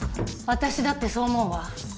私だってそう思うわ。